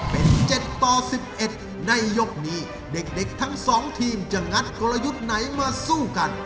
เป็น๗ต่อ๑๑ในยกนี้เด็กทั้ง๒ทีมจะงัดกลยุทธ์ไหนมาสู้กัน